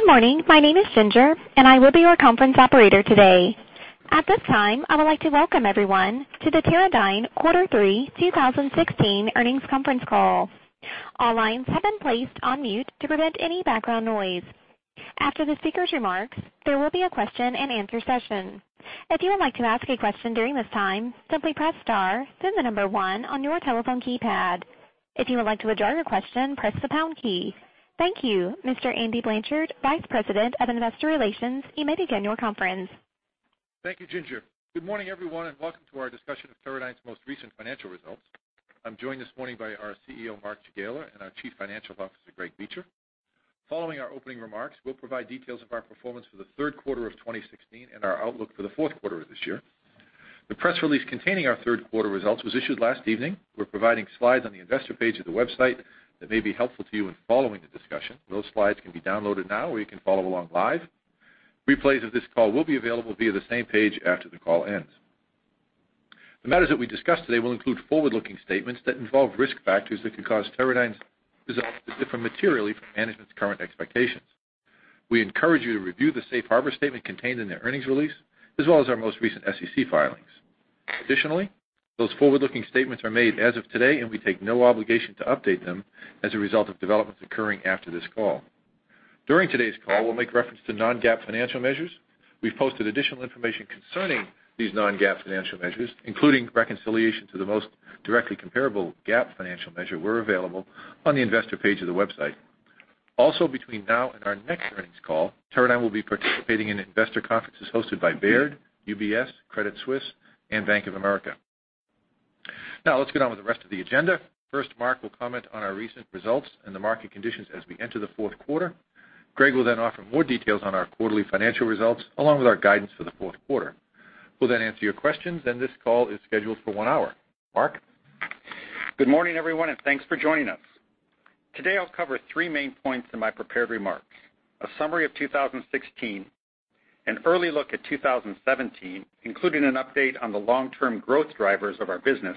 Good morning. My name is Ginger, and I will be your conference operator today. At this time, I would like to welcome everyone to the Teradyne Quarter Three 2016 earnings conference call. All lines have been placed on mute to prevent any background noise. After the speaker's remarks, there will be a question and answer session. If you would like to ask a question during this time, simply press star then the number 1 on your telephone keypad. If you would like to withdraw your question, press the pound key. Thank you. Mr. Andy Blanchard, Vice President of Investor Relations, you may begin your conference. Thank you, Ginger. Good morning, everyone, and welcome to our discussion of Teradyne's most recent financial results. I'm joined this morning by our CEO, Mark Jagiela, and our Chief Financial Officer, Greg Beecher. Following our opening remarks, we'll provide details of our performance for the third quarter of 2016 and our outlook for the fourth quarter of this year. The press release containing our third quarter results was issued last evening. We're providing slides on the investor page of the website that may be helpful to you in following the discussion. Those slides can be downloaded now or you can follow along live. Replays of this call will be available via the same page after the call ends. The matters that we discuss today will include forward-looking statements that involve risk factors that could cause Teradyne's results to differ materially from management's current expectations. We encourage you to review the safe harbor statement contained in the earnings release, as well as our most recent SEC filings. Additionally, those forward-looking statements are made as of today, and we take no obligation to update them as a result of developments occurring after this call. During today's call, we'll make reference to non-GAAP financial measures. We've posted additional information concerning these non-GAAP financial measures, including reconciliation to the most directly comparable GAAP financial measure, were available on the investor page of the website. Also, between now and our next earnings call, Teradyne will be participating in investor conferences hosted by Baird, UBS, Credit Suisse, and Bank of America. Let's get on with the rest of the agenda. First, Mark will comment on our recent results and the market conditions as we enter the fourth quarter. Greg will then offer more details on our quarterly financial results, along with our guidance for the fourth quarter. We'll then answer your questions. This call is scheduled for one hour. Mark? Good morning, everyone, and thanks for joining us. Today, I'll cover three main points in my prepared remarks: a summary of 2016, an early look at 2017, including an update on the long-term growth drivers of our business,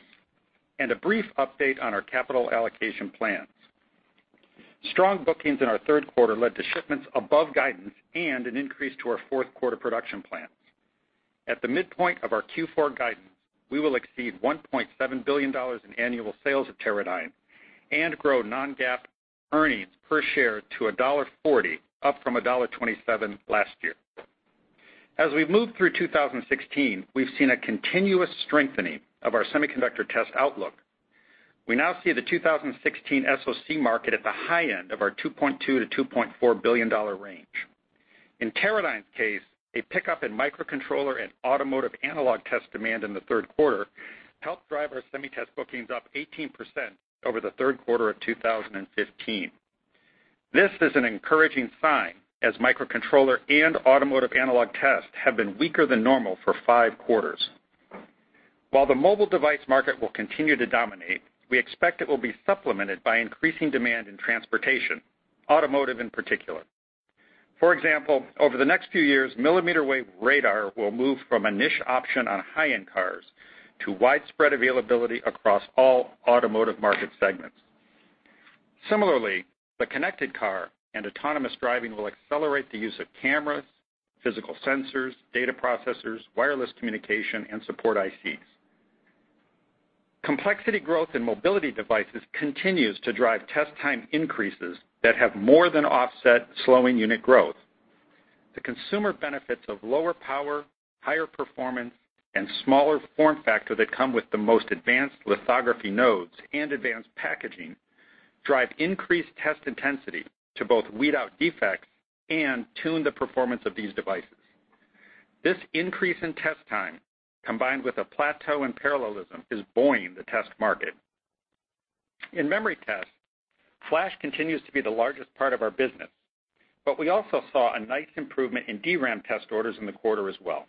and a brief update on our capital allocation plans. Strong bookings in our third quarter led to shipments above guidance and an increase to our fourth-quarter production plans. At the midpoint of our Q4 guidance, we will exceed $1.7 billion in annual sales at Teradyne and grow non-GAAP earnings per share to $1.40, up from $1.27 last year. As we've moved through 2016, we've seen a continuous strengthening of our semiconductor test outlook. We now see the 2016 SOC market at the high end of our $2.2 billion-$2.4 billion range. In Teradyne's case, a pickup in microcontroller and automotive analog test demand in the third quarter helped drive our SemiTest bookings up 18% over the third quarter of 2015. This is an encouraging sign as microcontroller and automotive analog tests have been weaker than normal for five quarters. While the mobile device market will continue to dominate, we expect it will be supplemented by increasing demand in transportation, automotive in particular. For example, over the next few years, millimeter-wave radar will move from a niche option on high-end cars to widespread availability across all automotive market segments. Similarly, the connected car and autonomous driving will accelerate the use of cameras, physical sensors, data processors, wireless communication, and support ICs. Complexity growth in mobility devices continues to drive test time increases that have more than offset slowing unit growth. The consumer benefits of lower power, higher performance, and smaller form factor that come with the most advanced lithography nodes and advanced packaging drive increased test intensity to both weed out defects and tune the performance of these devices. This increase in test time, combined with a plateau in parallelism, is buoying the test market. In memory test, flash continues to be the largest part of our business. We also saw a nice improvement in DRAM test orders in the quarter as well.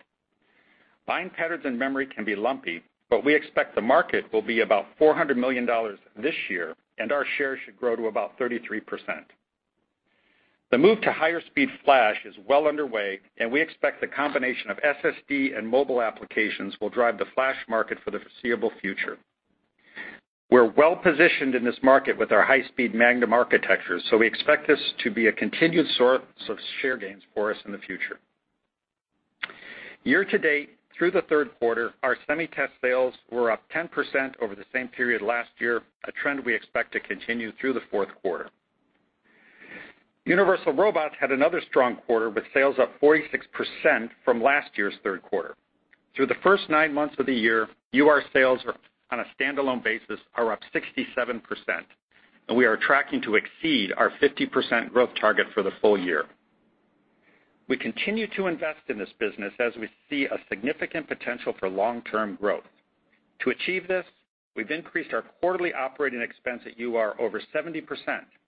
Buying patterns in memory can be lumpy, but we expect the market will be about $400 million this year, and our share should grow to about 33%. The move to higher-speed flash is well underway, and we expect the combination of SSD and mobile applications will drive the flash market for the foreseeable future. We're well-positioned in this market with our high-speed Magnum architecture. We expect this to be a continued source of share gains for us in the future. Year to date, through the third quarter, our semi test sales were up 10% over the same period last year, a trend we expect to continue through the fourth quarter. Universal Robots had another strong quarter with sales up 46% from last year's third quarter. Through the first nine months of the year, UR sales on a standalone basis are up 67%, and we are tracking to exceed our 50% growth target for the full year. We continue to invest in this business as we see a significant potential for long-term growth. To achieve this, we've increased our quarterly operating expense at UR over 70%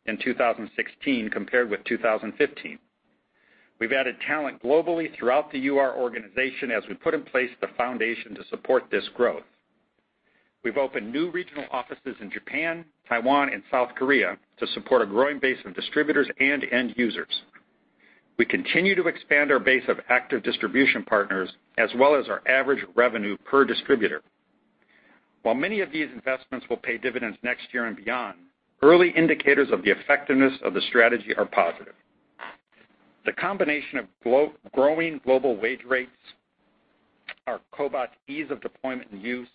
in 2016 compared with 2015. We've added talent globally throughout the UR organization as we put in place the foundation to support this growth. We've opened new regional offices in Japan, Taiwan, and South Korea to support a growing base of distributors and end users. We continue to expand our base of active distribution partners as well as our average revenue per distributor. While many of these investments will pay dividends next year and beyond, early indicators of the effectiveness of the strategy are positive. The combination of growing global wage rates, our cobots' ease of deployment and use,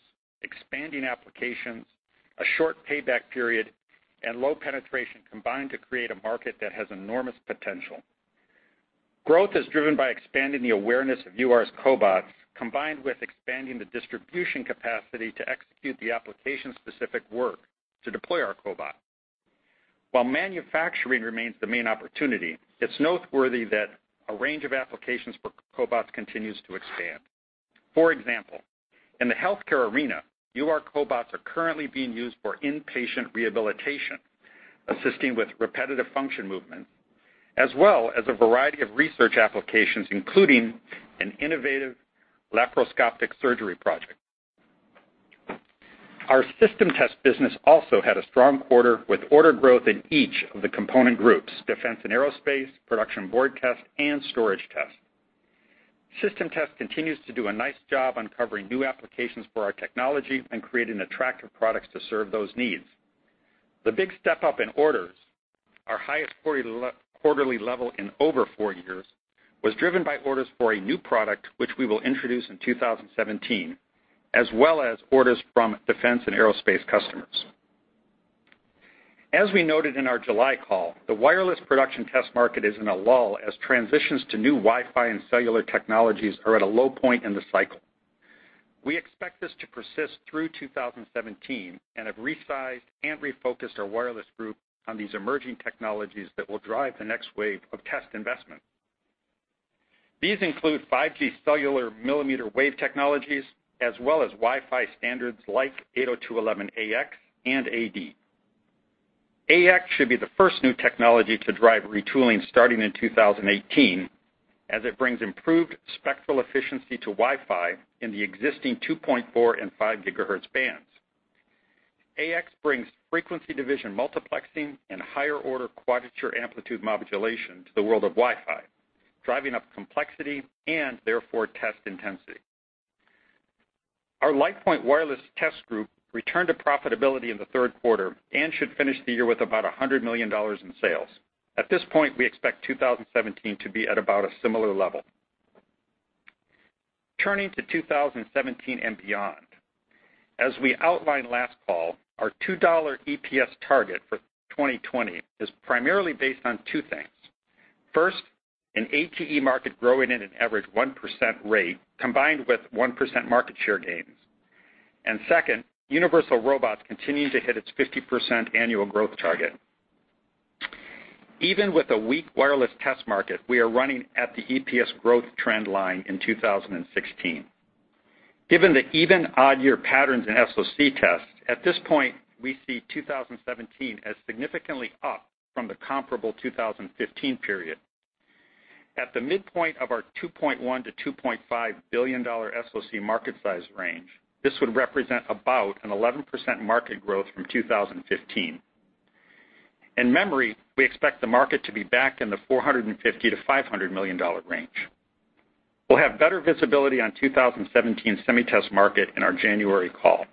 expanding applications, a short payback period, and low penetration combine to create a market that has enormous potential. Growth is driven by expanding the awareness of UR's cobots, combined with expanding the distribution capacity to execute the application-specific work to deploy our cobot. While manufacturing remains the main opportunity, it's noteworthy that a range of applications for cobots continues to expand. For example, in the healthcare arena, UR cobots are currently being used for inpatient rehabilitation, assisting with repetitive function movements, as well as a variety of research applications, including an innovative laparoscopic surgery project. Our System Test business also had a strong quarter with order growth in each of the component groups, defense and aerospace, production board test, and storage test. System Test continues to do a nice job uncovering new applications for our technology and creating attractive products to serve those needs. The big step up in orders, our highest quarterly level in over four years, was driven by orders for a new product, which we will introduce in 2017, as well as orders from defense and aerospace customers. As we noted in our July call, the wireless production test market is in a lull as transitions to new Wi-Fi and cellular technologies are at a low point in the cycle. We expect this to persist through 2017 and have resized and refocused our wireless group on these emerging technologies that will drive the next wave of test investment. These include 5G cellular millimeter wave technologies, as well as Wi-Fi standards like 802.11ax and 802.11ad. ax should be the first new technology to drive retooling starting in 2018, as it brings improved spectral efficiency to Wi-Fi in the existing 2.4 and 5 gigahertz bands. ax brings frequency division multiplexing and higher order quadrature amplitude modulation to the world of Wi-Fi, driving up complexity, and therefore, test intensity. Our LitePoint wireless test group returned to profitability in the third quarter and should finish the year with about $100 million in sales. At this point, we expect 2017 to be at about a similar level. Turning to 2017 and beyond. As we outlined last fall, our $2 EPS target for 2020 is primarily based on two things. First, an ATE market growing at an average 1% rate, combined with 1% market share gains. Second, Universal Robots continuing to hit its 50% annual growth target. Even with a weak wireless test market, we are running at the EPS growth trend line in 2016. Given the even odd year patterns in SoC tests, at this point, we see 2017 as significantly up from the comparable 2015 period. At the midpoint of our $2.1 billion-$2.5 billion SoC market size range, this would represent about an 11% market growth from 2015. In memory, we expect the market to be back in the $450 million-$500 million range. We'll have better visibility on 2017 Semi Test market in our January call.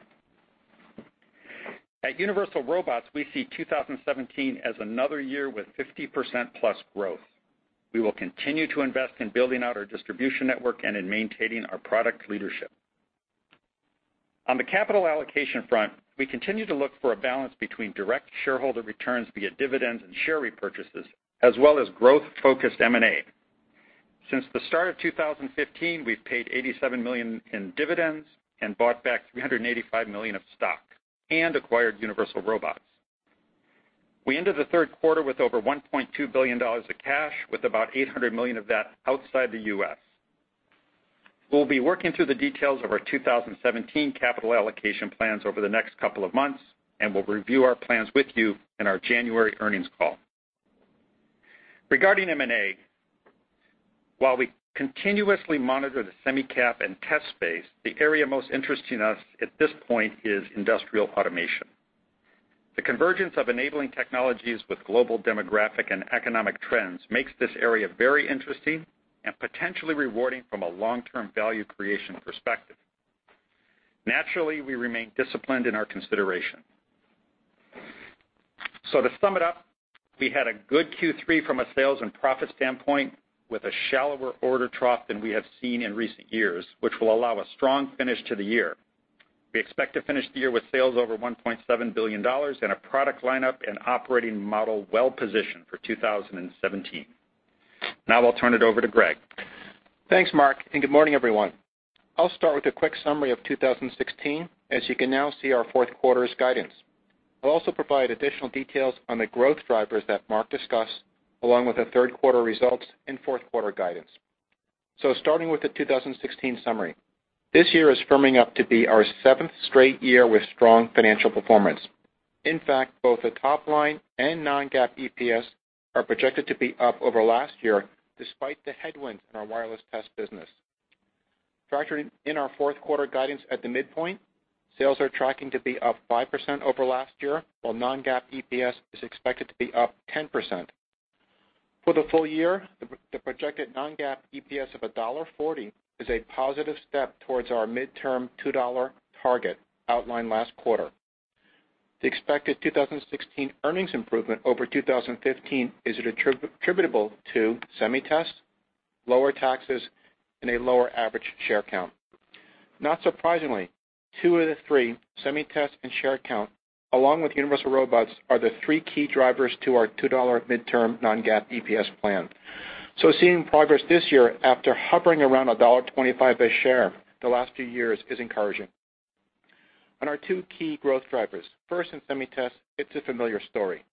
At Universal Robots, we see 2017 as another year with 50% plus growth. We will continue to invest in building out our distribution network and in maintaining our product leadership. On the capital allocation front, we continue to look for a balance between direct shareholder returns via dividends and share repurchases, as well as growth-focused M&A. Since the start of 2015, we've paid $87 million in dividends and bought back $385 million of stock and acquired Universal Robots. We ended the third quarter with over $1.2 billion of cash, with about $800 million of that outside the U.S. We'll be working through the details of our 2017 capital allocation plans over the next couple of months, and we'll review our plans with you in our January earnings call. Regarding M&A, while we continuously monitor the semi cap and test space, the area most interesting us at this point is industrial automation. The convergence of enabling technologies with global demographic and economic trends makes this area very interesting and potentially rewarding from a long-term value creation perspective. Naturally, we remain disciplined in our consideration. To sum it up, we had a good Q3 from a sales and profit standpoint with a shallower order trough than we have seen in recent years, which will allow a strong finish to the year. We expect to finish the year with sales over $1.7 billion and a product lineup and operating model well positioned for 2017. I'll turn it over to Greg. Thanks, Mark, good morning, everyone. I'll start with a quick summary of 2016, as you can now see our fourth quarter's guidance. I'll also provide additional details on the growth drivers that Mark discussed, along with the third quarter results and fourth quarter guidance. Starting with the 2016 summary. This year is firming up to be our seventh straight year with strong financial performance. In fact, both the top line and non-GAAP EPS are projected to be up over last year, despite the headwinds in our wireless test business. Factoring in our fourth quarter guidance at the midpoint, sales are tracking to be up 5% over last year, while non-GAAP EPS is expected to be up 10%. For the full year, the projected non-GAAP EPS of $1.40 is a positive step towards our midterm $2 target outlined last quarter. The expected 2016 earnings improvement over 2015 is attributable to SemiTest, lower taxes, and a lower average share count. Not surprisingly, two of the three, SemiTest and share count, along with Universal Robots, are the three key drivers to our $2 midterm non-GAAP EPS plan. Seeing progress this year after hovering around $1.25 a share the last few years is encouraging. On our two key growth drivers, first, in SemiTest, it's a familiar story.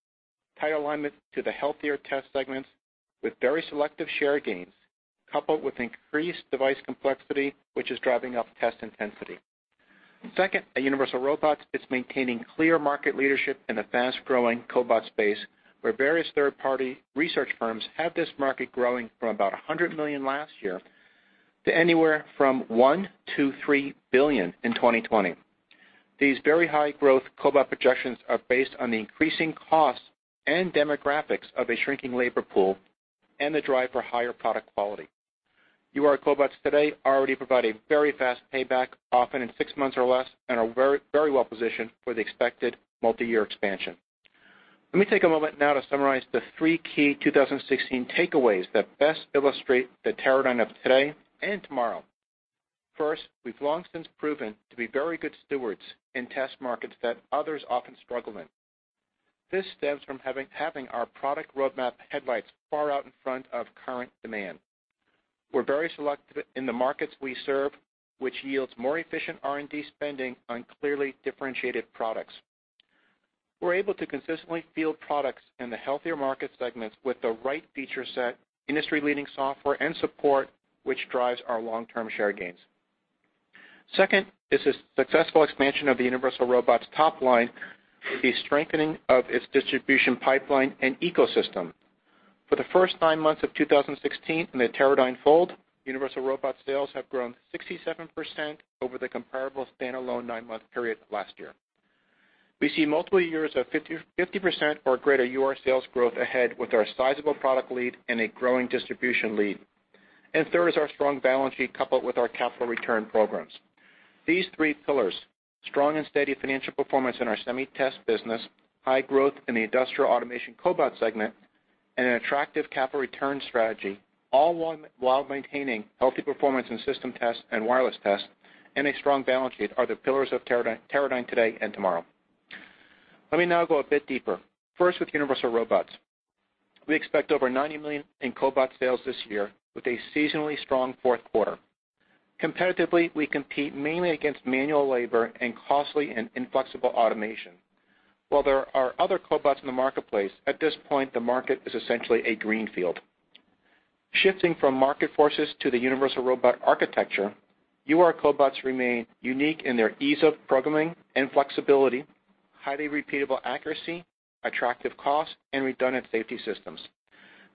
Tight alignment to the healthier test segments with very selective share gains, coupled with increased device complexity, which is driving up test intensity. Second, at Universal Robots, it's maintaining clear market leadership in the fast-growing cobot space, where various third-party research firms have this market growing from about $100 million last year to anywhere from $1 billion-$3 billion in 2020. These very high-growth cobot projections are based on the increasing costs and demographics of a shrinking labor pool and the drive for higher product quality. UR cobots today already provide a very fast payback, often in six months or less, and are very well-positioned for the expected multi-year expansion. Let me take a moment now to summarize the three key 2016 takeaways that best illustrate the Teradyne of today and tomorrow. First, we've long since proven to be very good stewards in test markets that others often struggle in. This stems from having our product roadmap headlights far out in front of current demand. We're very selective in the markets we serve, which yields more efficient R&D spending on clearly differentiated products. We're able to consistently field products in the healthier market segments with the right feature set, industry-leading software and support, which drives our long-term share gains. Second is the successful expansion of the Universal Robots top line with the strengthening of its distribution pipeline and ecosystem. For the first nine months of 2016 in the Teradyne fold, Universal Robots sales have grown 67% over the comparable stand-alone nine-month period last year. We see multiple years of 50% or greater UR sales growth ahead with our sizable product lead and a growing distribution lead. Third is our strong balance sheet coupled with our capital return programs. These three pillars, strong and steady financial performance in our SemiTest business, high growth in the industrial automation cobot segment, and an attractive capital return strategy, all while maintaining healthy performance in system tests and wireless tests and a strong balance sheet, are the pillars of Teradyne today and tomorrow. Let me now go a bit deeper, first with Universal Robots. We expect over $90 million in cobot sales this year with a seasonally strong fourth quarter. Competitively, we compete mainly against manual labor and costly and inflexible automation. While there are other cobots in the marketplace, at this point, the market is essentially a greenfield. Shifting from market forces to the Universal Robots architecture, UR cobots remain unique in their ease of programming and flexibility, highly repeatable accuracy, attractive cost, and redundant safety systems.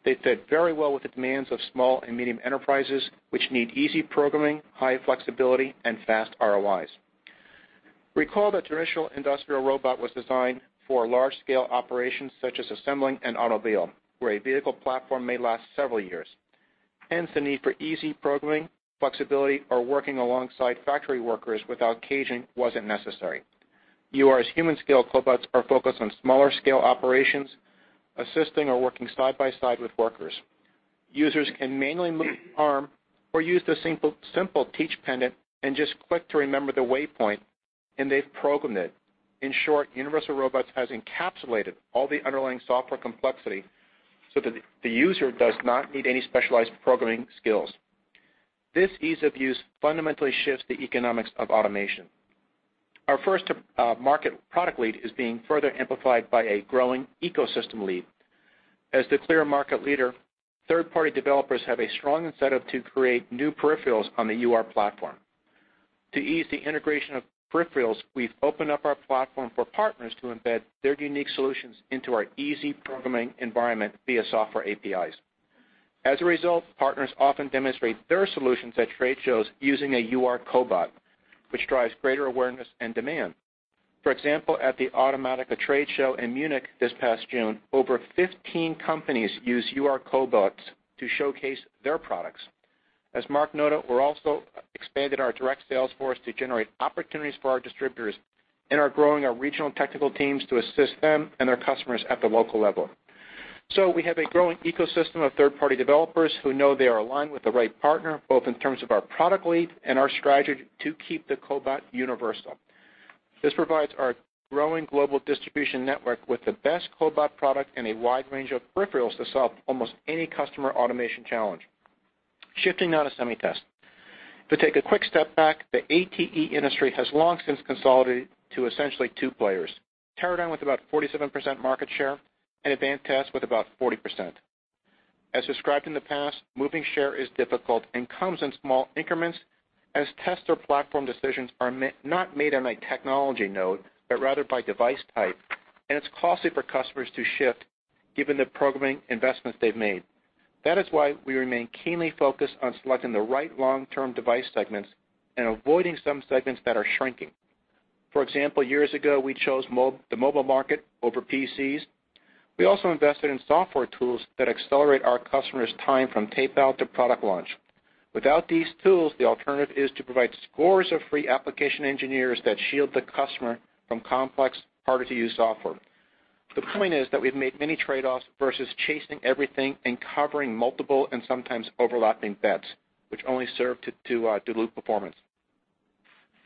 They fit very well with the demands of small and medium enterprises, which need easy programming, high flexibility, and fast ROIs. Recall the traditional industrial robot was designed for large-scale operations such as assembling an automobile, where a vehicle platform may last several years, hence the need for easy programming, flexibility, or working alongside factory workers without caging wasn't necessary. UR's human-scale cobots are focused on smaller-scale operations, assisting or working side by side with workers. Users can manually move the arm or use the simple teach pendant and just click to remember the waypoint, and they've programmed it. In short, Universal Robots has encapsulated all the underlying software complexity so that the user does not need any specialized programming skills. This ease of use fundamentally shifts the economics of automation. Our first-to-market product lead is being further amplified by a growing ecosystem lead. As the clear market leader, third-party developers have a strong incentive to create new peripherals on the UR platform. To ease the integration of peripherals, we've opened up our platform for partners to embed their unique solutions into our easy programming environment via software APIs. As a result, partners often demonstrate their solutions at trade shows using a UR cobot, which drives greater awareness and demand. For example, at the automatica trade show in Munich this past June, over 15 companies used UR cobots to showcase their products. As Mark noted, we also expanded our direct sales force to generate opportunities for our distributors and are growing our regional technical teams to assist them and our customers at the local level. We have a growing ecosystem of third-party developers who know they are aligned with the right partner, both in terms of our product lead and our strategy to keep the cobot universal. This provides our growing global distribution network with the best cobot product and a wide range of peripherals to solve almost any customer automation challenge. Shifting now to SemiTest. To take a quick step back, the ATE industry has long since consolidated to essentially two players, Teradyne with about 47% market share and Advantest with about 40%. As described in the past, moving share is difficult and comes in small increments as test or platform decisions are not made on a technology node, but rather by device type, and it's costly for customers to shift given the programming investments they've made. That is why we remain keenly focused on selecting the right long-term device segments and avoiding some segments that are shrinking. For example, years ago, we chose the mobile market over PCs. We also invested in software tools that accelerate our customers' time from tape out to product launch. Without these tools, the alternative is to provide scores of free application engineers that shield the customer from complex, harder-to-use software. The point is that we've made many trade-offs versus chasing everything and covering multiple and sometimes overlapping bets, which only serve to dilute performance.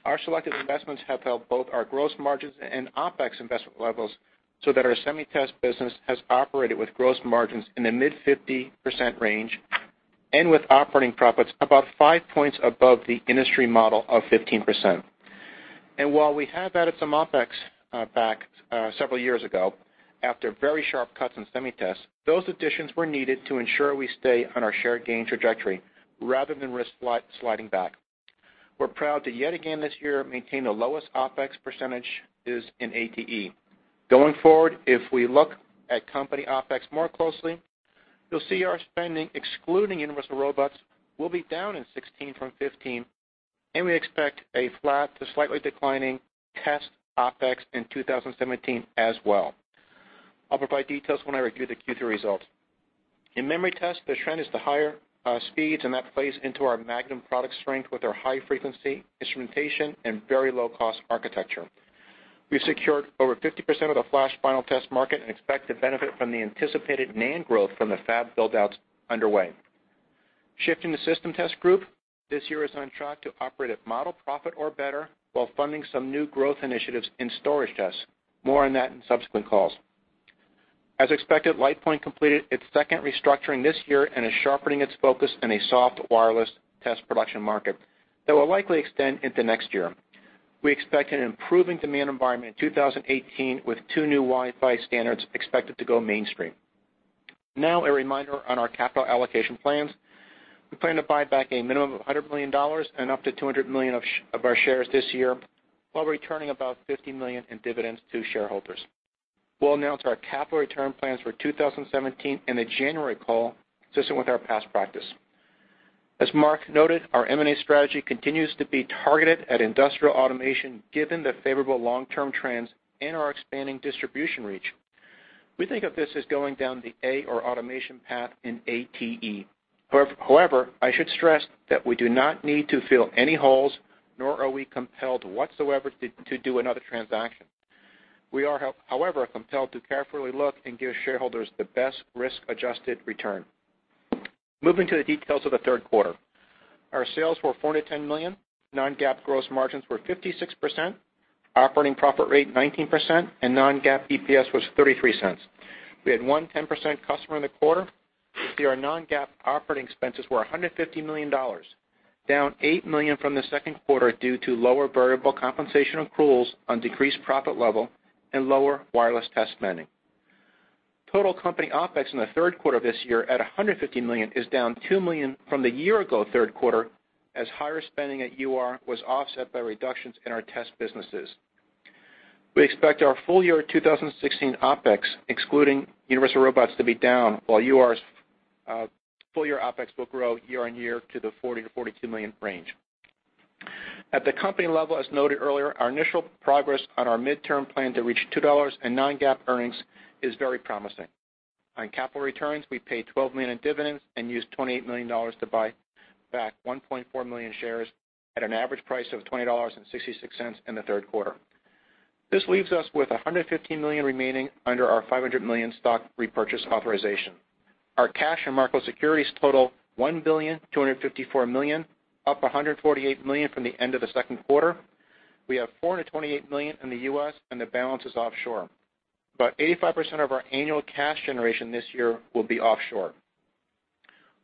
Our selective investments have helped both our gross margins and OpEx investment levels so that our SemiTest business has operated with gross margins in the mid 50% range and with operating profits about five points above the industry model of 15%. While we have added some OpEx back several years ago, after very sharp cuts in SemiTest, those additions were needed to ensure we stay on our shared gain trajectory rather than risk sliding back. We're proud to yet again this year, maintain the lowest OpEx percentages in ATE. Going forward, if we look at company OpEx more closely, you'll see our spending, excluding Universal Robots, will be down in 2016 from 2015, and we expect a flat to slightly declining test OpEx in 2017 as well. I'll provide details when I review the Q3 results. That plays into our Magnum product strength with our high-frequency instrumentation and very low-cost architecture. We've secured over 50% of the NAND final test market and expect to benefit from the anticipated NAND growth from the fab build-outs underway. Shifting to System Test group, this year is on track to operate at model profit or better while funding some new growth initiatives in storage tests. More on that in subsequent calls. As expected, LitePoint completed its second restructuring this year and is sharpening its focus in a soft wireless test production market that will likely extend into next year. We expect an improving demand environment in 2018 with two new Wi-Fi standards expected to go mainstream. A reminder on our capital allocation plans. We plan to buy back a minimum of $100 million and up to $200 million of our shares this year while returning about $50 million in dividends to shareholders. We'll announce our capital return plans for 2017 in the January call, consistent with our past practice. As Mark noted, our M&A strategy continues to be targeted at industrial automation given the favorable long-term trends and our expanding distribution reach. We think of this as going down the A or automation path in ATE. I should stress that we do not need to fill any holes, nor are we compelled whatsoever to do another transaction. We are, however, compelled to carefully look and give shareholders the best risk-adjusted return. Moving to the details of the third quarter. Our sales were $410 million. Non-GAAP gross margins were 56%, operating profit rate 19%, and non-GAAP EPS was $0.33. We had one 10% customer in the quarter. Our non-GAAP operating expenses were $150 million, down $8 million from the second quarter due to lower variable compensation accruals on decreased profit level and lower wireless test spending. Total company OpEx in the third quarter of this year at $150 million is down $2 million from the year-ago third quarter, as higher spending at UR was offset by reductions in our test businesses. We expect our full year 2016 OpEx, excluding Universal Robots, to be down, while UR's full-year OpEx will grow year-on-year to the $40 million-$42 million range. At the company level, as noted earlier, our initial progress on our midterm plan to reach $2 in non-GAAP earnings is very promising. On capital returns, we paid $12 million in dividends and used $28 million to buy back 1.4 million shares at an average price of $20.66 in the third quarter. This leaves us with $115 million remaining under our $500 million stock repurchase authorization. Our cash and marketable securities total $1,254 million, up $148 million from the end of the second quarter. We have $428 million in the U.S., and the balance is offshore. About 85% of our annual cash generation this year will be offshore.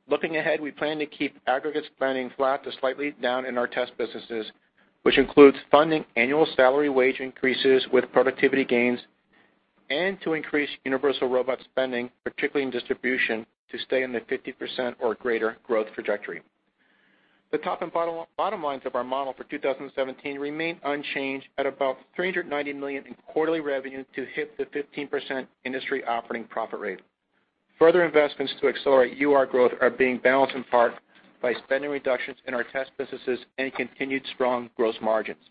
Looking ahead, we plan to keep aggregate spending flat to slightly down in our test businesses, which includes funding annual salary wage increases with productivity gains and to increase Universal Robots spending, particularly in distribution, to stay in the 50% or greater growth trajectory. The top and bottom lines of our model for 2017 remain unchanged at about $390 million in quarterly revenue to hit the 15% industry operating profit rate. Further investments to accelerate UR growth are being balanced in part by spending reductions in our test businesses and continued strong gross margins.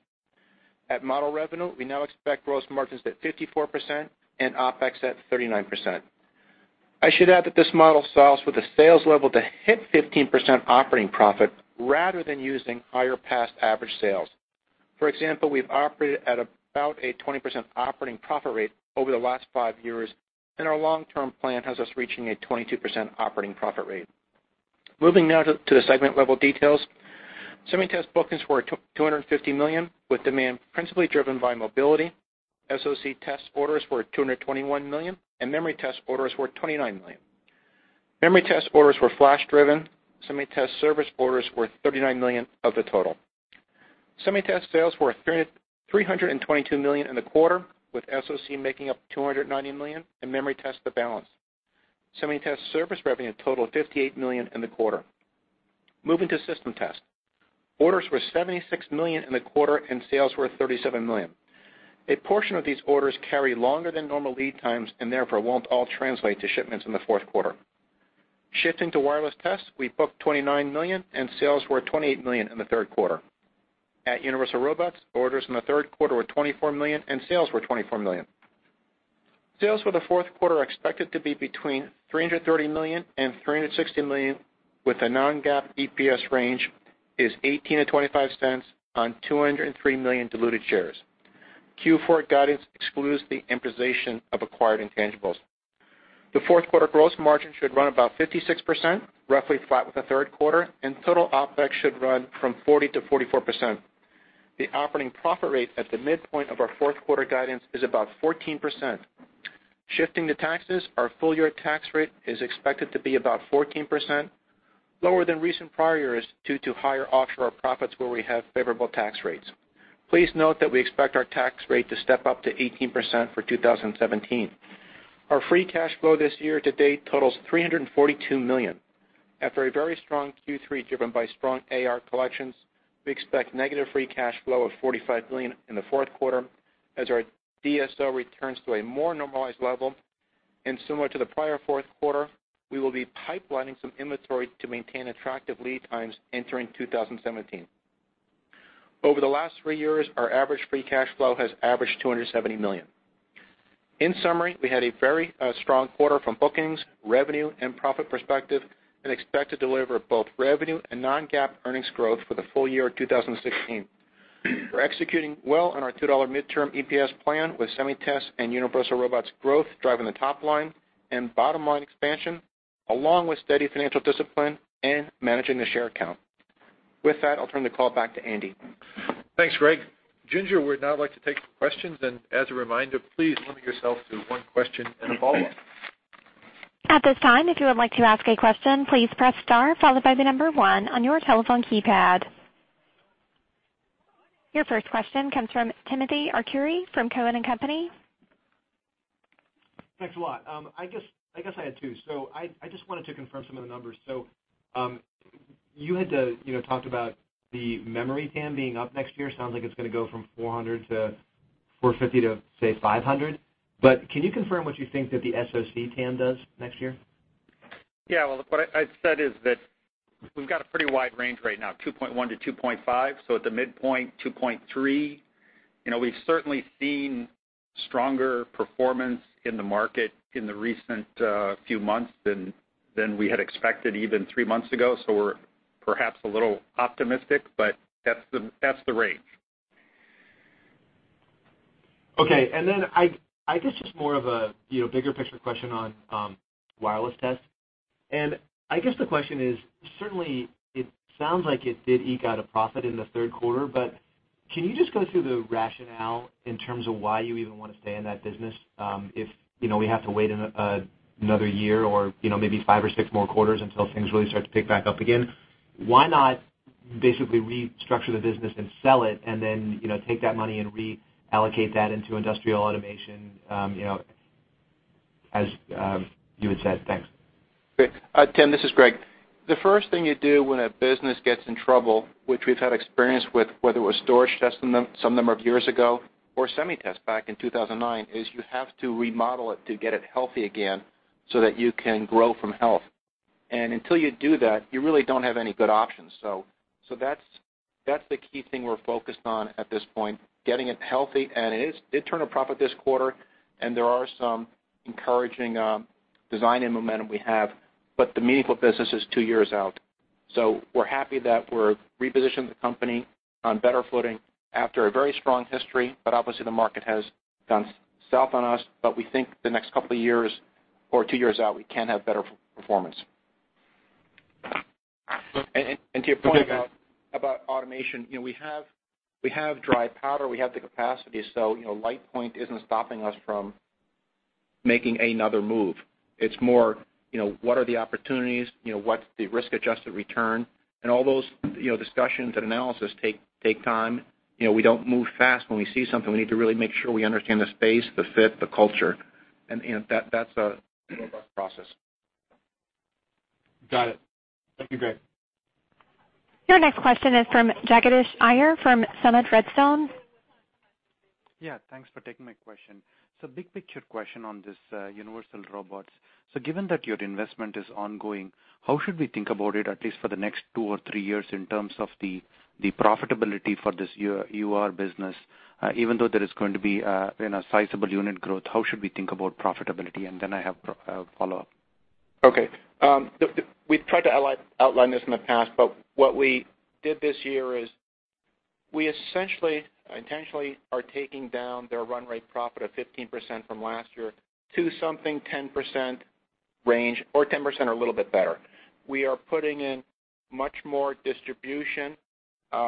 At model revenue, we now expect gross margins at 54% and OpEx at 39%. I should add that this model solves for the sales level to hit 15% operating profit rather than using higher past average sales. For example, we've operated at about a 20% operating profit rate over the last five years, and our long-term plan has us reaching a 22% operating profit rate. Moving now to the segment level details. SemiTest bookings were $250 million, with demand principally driven by mobility. SoC test orders were $221 million, and memory test orders were $29 million. Memory test orders were Flash-driven. SemiTest service orders were $39 million of the total. SemiTest sales were $322 million in the quarter, with SoC making up $290 million and memory test the balance. SemiTest service revenue totaled $58 million in the quarter. Moving to System Test. Orders were $76 million in the quarter and sales were $37 million. A portion of these orders carry longer than normal lead times and therefore won't all translate to shipments in the fourth quarter. Shifting to wireless tests, we booked $29 million and sales were $28 million in the third quarter. At Universal Robots, orders in the third quarter were $24 million and sales were $24 million. Sales for the fourth quarter are expected to be between $330 million and $360 million, with a non-GAAP EPS range is $0.18 to $0.25 on 203 million diluted shares. Q4 guidance excludes the amortization of acquired intangibles. The fourth quarter gross margin should run about 56%, roughly flat with the third quarter, and total OpEx should run from 40% to 44%. The operating profit rate at the midpoint of our fourth quarter guidance is about 14%. Shifting to taxes, our full year tax rate is expected to be about 14%, lower than recent prior years due to higher offshore profits where we have favorable tax rates. Please note that we expect our tax rate to step up to 18% for 2017. Our free cash flow this year to date totals $342 million. After a very strong Q3 given by strong AR collections, we expect negative free cash flow of $45 million in the fourth quarter as our DSO returns to a more normalized level. Similar to the prior fourth quarter, we will be pipelining some inventory to maintain attractive lead times entering 2017. Over the last three years, our average free cash flow has averaged $270 million. In summary, we had a very strong quarter from bookings, revenue, and profit perspective and expect to deliver both revenue and non-GAAP earnings growth for the full year 2016. We're executing well on our $2 midterm EPS plan with SemiTest and Universal Robots growth driving the top line and bottom line expansion, along with steady financial discipline and managing the share count. With that, I'll turn the call back to Andy. Thanks, Greg. Ginger would now like to take some questions. As a reminder, please limit yourself to one question and a follow-up. At this time, if you would like to ask a question, please press star followed by the number one on your telephone keypad. Your first question comes from Timothy Arcuri from Cowen and Company. Thanks a lot. I guess I had two. I just wanted to confirm some of the numbers. You had talked about the memory TAM being up next year. Sounds like it's going to go from $400 to $450 to, say, $500. Can you confirm what you think that the SoC TAM does next year? Yeah, well, look, what I said is that we've got a pretty wide range right now, $2.1-$2.5, at the midpoint, $2.3. We've certainly seen stronger performance in the market in the recent few months than we had expected even three months ago. We're perhaps a little optimistic, that's the range. Okay. I guess just more of a bigger picture question on wireless tests. I guess the question is, certainly it sounds like it did eke out a profit in the third quarter, but can you just go through the rationale in terms of why you even want to stay in that business? If we have to wait another year or maybe five or six more quarters until things really start to pick back up again, why not basically restructure the business and sell it and then take that money and reallocate that into industrial automation, as you had said? Thanks. Great. Tim, this is Greg. The first thing you do when a business gets in trouble, which we've had experience with, whether it was storage tests some number of years ago or SemiTest back in 2009, is you have to remodel it to get it healthy again so that you can grow from health. Until you do that, you really don't have any good options. That's the key thing we're focused on at this point, getting it healthy. It did turn a profit this quarter, and there are some encouraging design and momentum we have, but the meaningful business is two years out. We're happy that we're repositioning the company on better footing after a very strong history, but obviously, the market has gone south on us. We think the next couple of years or two years out, we can have better performance. To your point about- Go ahead, Tim about automation, we have dry powder, we have the capacity. LitePoint isn't stopping us from making another move. It's more, what are the opportunities? What's the risk-adjusted return? All those discussions and analysis take time. We don't move fast when we see something. We need to really make sure we understand the space, the fit, the culture, and that's a robust process. Got it. Thank you, Greg. Your next question is from Jagadish Iyer from Summit Redstone. Yeah. Thanks for taking my question. Big picture question on this Universal Robots. Given that your investment is ongoing, how should we think about it, at least for the next two or three years in terms of the profitability for this UR business? Even though there is going to be a sizable unit growth, how should we think about profitability? Then I have a follow-up. Okay. We've tried to outline this in the past, but what we did this year is we essentially, intentionally are taking down their run rate profit of 15% from last year to something 10% range or 10% or a little bit better. We are putting in much more distribution,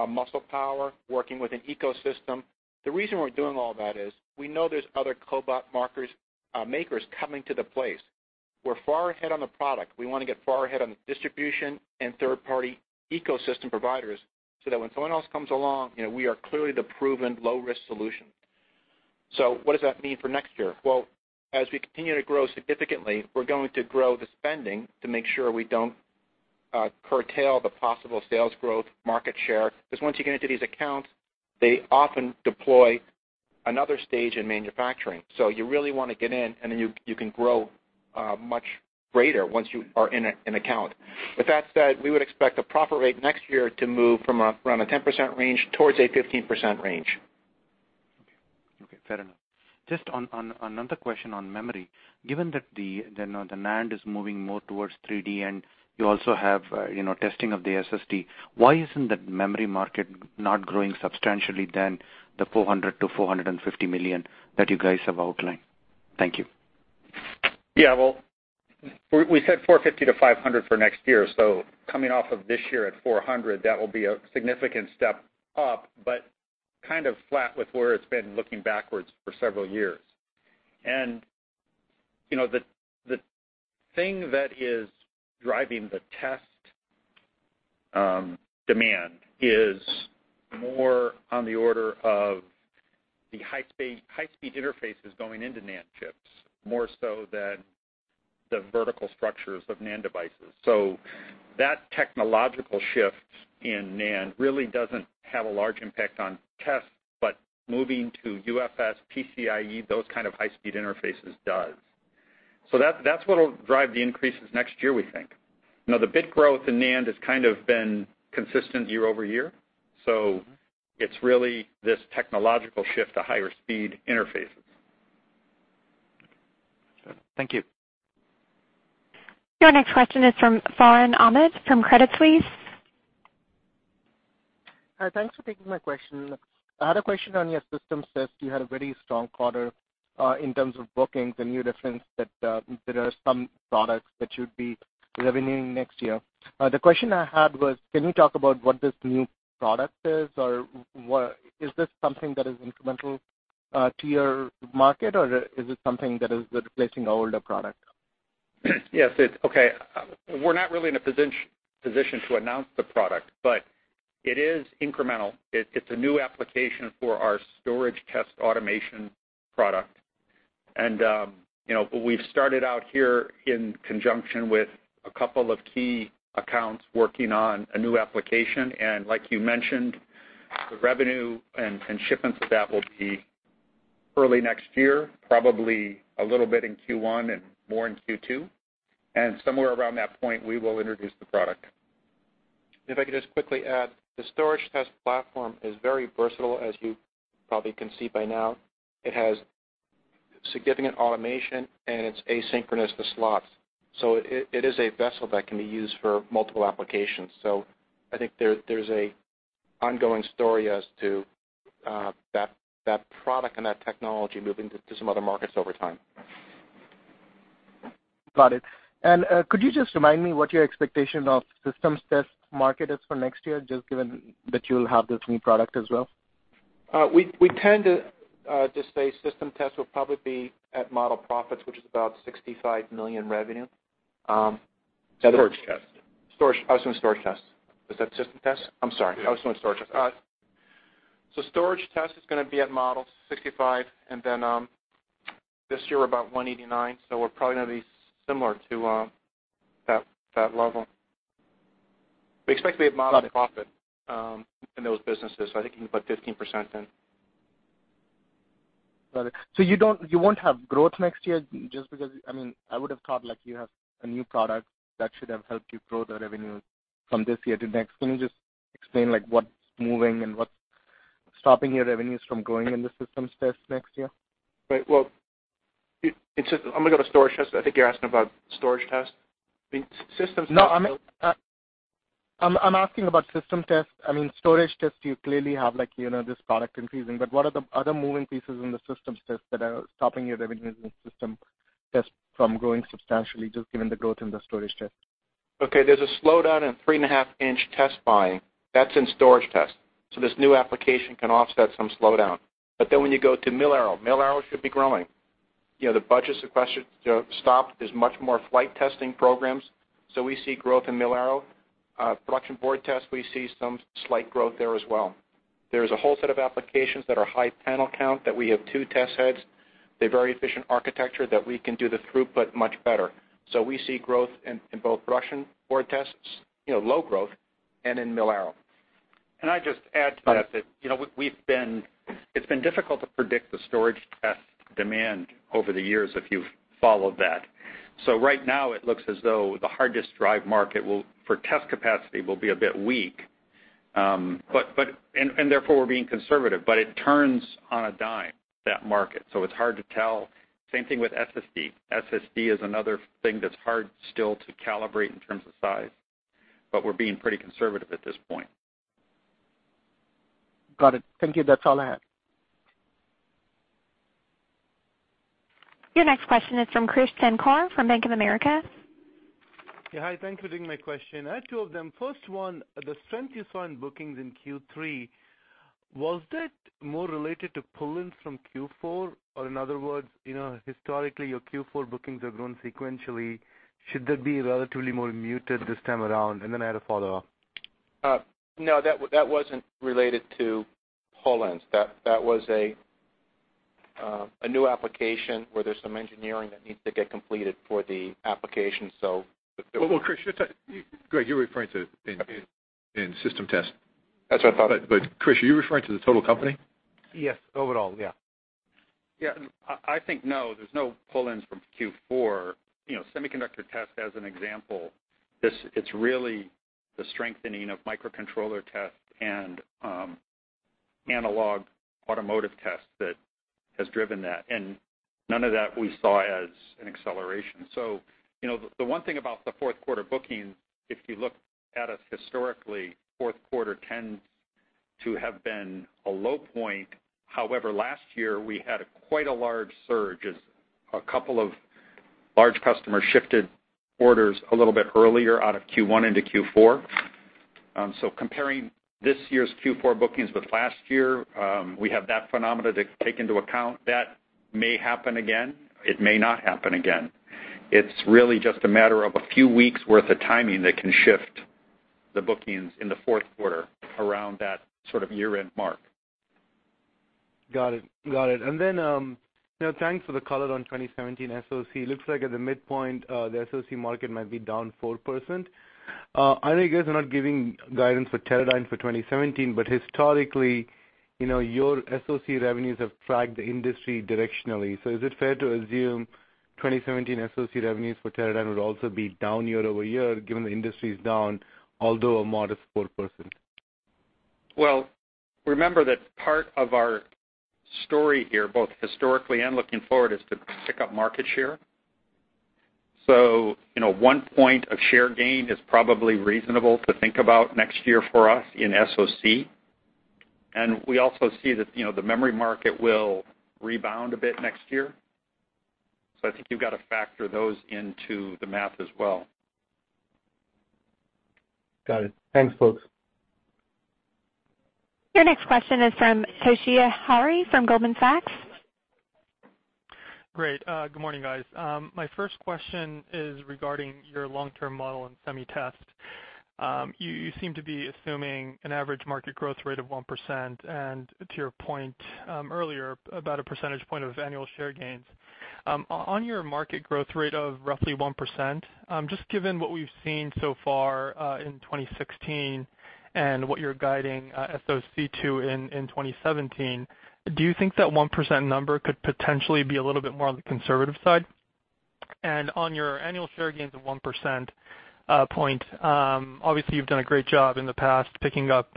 muscle power, working with an ecosystem. The reason we're doing all that is we know there's other cobot makers coming to the place. We're far ahead on the product. We want to get far ahead on the distribution and third-party ecosystem providers so that when someone else comes along, we are clearly the proven low-risk solution. What does that mean for next year? Well, as we continue to grow significantly, we're going to grow the spending to make sure we don't curtail the possible sales growth market share, because once you get into these accounts, they often deploy another stage in manufacturing. You really want to get in, and then you can grow much greater once you are in an account. With that said, we would expect the profit rate next year to move from around a 10% range towards a 15% range. Okay. Fair enough. Just another question on memory. Given that the NAND is moving more towards 3D, and you also have testing of the SSD, why isn't that memory market not growing substantially than the $400 million-$450 million that you guys have outlined? Thank you. Yeah. Well, we said $450 million-$500 million for next year, coming off of this year at $400 million, that will be a significant step up, but kind of flat with where it's been looking backwards for several years. The thing that is driving the test demand is more on the order of the high-speed interfaces going into NAND chips, more so than the vertical structures of NAND devices. That technological shift in NAND really doesn't have a large impact on tests, but moving to UFS, PCIE, those kind of high-speed interfaces does. That's what'll drive the increases next year, we think. The bit growth in NAND has kind of been consistent year-over-year. It's really this technological shift to higher speed interfaces. Thank you. Your next question is from Farhan Ahmad from Credit Suisse. Hi, thanks for taking my question. I had a question on your system test. You had a very strong quarter in terms of bookings. You referenced that there are some products that you'd be revenuing next year. The question I had was, can you talk about what this new product is, or is this something that is incremental to your market, or is it something that is replacing older product? Yes. We're not really in a position to announce the product, but it is incremental. It's a new application for our storage test automation product. We've started out here in conjunction with a couple of key accounts working on a new application. Like you mentioned, the revenue and shipments of that will be early next year, probably a little bit in Q1 and more in Q2. Somewhere around that point, we will introduce the product. If I could just quickly add, the storage test platform is very versatile, as you probably can see by now. It has significant automation. It's asynchronous to slots. It is a vessel that can be used for multiple applications. I think there's an ongoing story as to that product and that technology moving to some other markets over time. Got it. Could you just remind me what your expectation of systems test market is for next year, just given that you'll have this new product as well? We tend to just say system test will probably be at model profits, which is about $65 million revenue. Storage test. I was going storage test. Was that system test? I'm sorry. I was going storage test. Storage test is going to be at model $65, and this year, we're about $189 million, so we're probably going to be similar to that level. We expect to be at model profit in those businesses, so I think you can put 15% in. Got it. You won't have growth next year just because, I would have thought you have a new product that should have helped you grow the revenue from this year to next. Can you just explain what's moving and what's stopping your revenues from growing in the systems test next year? Right. I'm going to go to storage test. I think you're asking about storage test. No, I'm asking about system test. Storage test, you clearly have this product increasing, but what are the other moving pieces in the systems test that are stopping your revenues in system test from growing substantially, just given the growth in the storage test? Okay. There's a slowdown in three-and-a-half-inch test buying. That's in storage test. This new application can offset some slowdown. When you go to mil-aero, mil-aero should be growing. The budget sequester stopped. There's much more flight testing programs. We see growth in mil-aero. Production board test, we see some slight growth there as well. There's a whole set of applications that are high panel count that we have two test heads. They're very efficient architecture that we can do the throughput much better. We see growth in both production board tests, low growth, and in mil-aero. Can I just add to that it's been difficult to predict the storage test demand over the years, if you've followed that. Right now, it looks as though the hard drive market for test capacity will be a bit weak, and therefore we're being conservative, but it turns on a dime, that market. It's hard to tell. Same thing with SSD. SSD is another thing that's hard still to calibrate in terms of size, but we're being pretty conservative at this point. Got it. Thank you. That's all I had. Your next question is from Krish Sankar from Bank of America. Hi. Thank you for taking my question. I have two of them. First one, the strength you saw in bookings in Q3, was that more related to pull-ins from Q4, or in other words, historically, your Q4 bookings have grown sequentially. Should that be relatively more muted this time around? I had a follow-up. No, that wasn't related to pull-ins. That was a A new application where there's some engineering that needs to get completed for the application. Well, Krish, Greg, you're referring to in system test. That's what I thought. Krish, are you referring to the total company? Yes. Overall, yeah. I think no, there's no pull-ins from Q4. Semiconductor test as an example, it's really the strengthening of microcontroller test and analog automotive test that has driven that, and none of that we saw as an acceleration. The one thing about the fourth quarter booking, if you look at us historically, fourth quarter tends to have been a low point. However, last year we had quite a large surge as a couple of large customers shifted orders a little bit earlier out of Q1 into Q4. Comparing this year's Q4 bookings with last year, we have that phenomena to take into account. That may happen again, it may not happen again. It's really just a matter of a few weeks worth of timing that can shift the bookings in the fourth quarter around that sort of year-end mark. Got it. Thanks for the color on 2017 SOC. Looks like at the midpoint, the SOC market might be down 4%. I know you guys are not giving guidance for Teradyne for 2017, but historically, your SOC revenues have tracked the industry directionally. Is it fair to assume 2017 SOC revenues for Teradyne would also be down year-over-year given the industry's down, although a modest 4%? Well, remember that part of our story here, both historically and looking forward, is to pick up market share. One point of share gain is probably reasonable to think about next year for us in SOC. We also see that the memory market will rebound a bit next year. I think you've got to factor those into the math as well. Got it. Thanks, folks. Your next question is from Toshiya Hari from Goldman Sachs. Great. Good morning, guys. My first question is regarding your long-term model in SemiTest. You seem to be assuming an average market growth rate of 1%, and to your point earlier about a percentage point of annual share gains. On your market growth rate of roughly 1%, just given what we've seen so far in 2016 and what you're guiding SOC to in 2017, do you think that 1% number could potentially be a little bit more on the conservative side? On your annual share gains of 1% point, obviously you've done a great job in the past picking up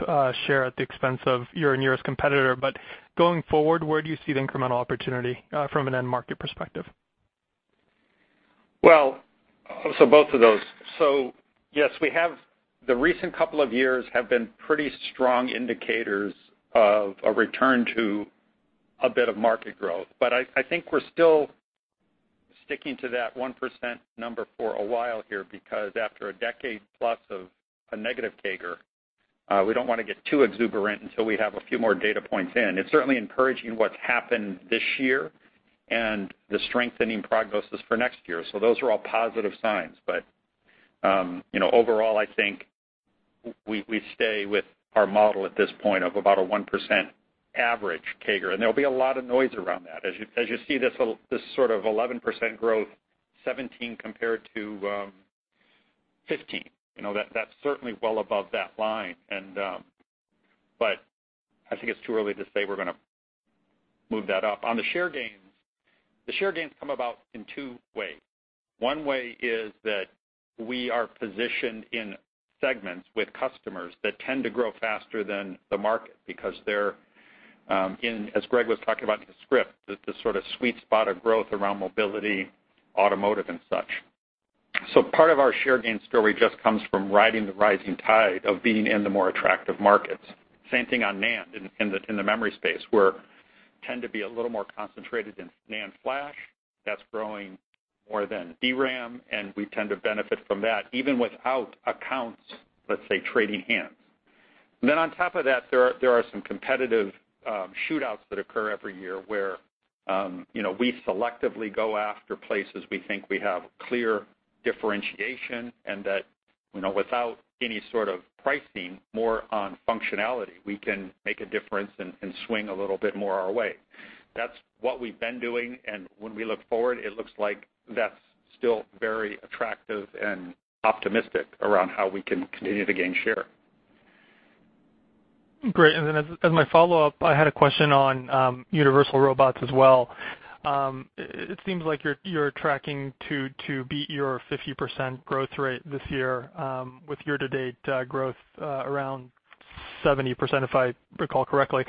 share at the expense of your nearest competitor, but going forward, where do you see the incremental opportunity from an end market perspective? Both of those. Yes, the recent couple of years have been pretty strong indicators of a return to a bit of market growth. I think we're still sticking to that 1% number for a while here, because after a decade plus of a negative CAGR, we don't want to get too exuberant until we have a few more data points in. It's certainly encouraging what's happened this year and the strengthening prognosis for next year. Those are all positive signs. Overall, I think we stay with our model at this point of about a 1% average CAGR, and there'll be a lot of noise around that. As you see this sort of 11% growth 2017 compared to 2015. That's certainly well above that line, but I think it's too early to say we're going to move that up. On the share gains, the share gains come about in two ways. One way is that we are positioned in segments with customers that tend to grow faster than the market because they're in, as Greg was talking about in the script, this sort of sweet spot of growth around mobility, automotive, and such. Part of our share gain story just comes from riding the rising tide of being in the more attractive markets. Same thing on NAND in the memory space, where tend to be a little more concentrated in NAND Flash, that's growing more than DRAM, and we tend to benefit from that even without accounts, let's say, trading hands. On top of that, there are some competitive shootouts that occur every year where we selectively go after places we think we have clear differentiation and that without any sort of pricing, more on functionality, we can make a difference and swing a little bit more our way. That's what we've been doing, and when we look forward, it looks like that's still very attractive and optimistic around how we can continue to gain share. Great. As my follow-up, I had a question on Universal Robots as well. It seems like you're tracking to beat your 50% growth rate this year with year to date growth around 70%, if I recall correctly.